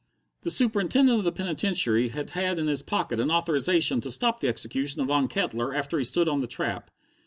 The Superintendent of the penitentiary had had in his pocket an authorization to stop the execution of Von Kettler after he stood on the trap.